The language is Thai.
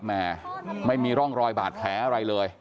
แม่ไม่มีร่องรอยบาดแผลอะไรเลย